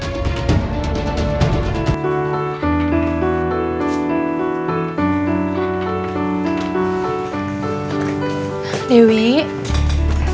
aku akan mencintai angel li